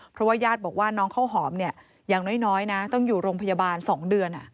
เพราะว่าญาติบอกว่าน้องข้าวหอมเนี่ยอย่างน้อยนะต้องอยู่โรงพยาบาล๒เดือน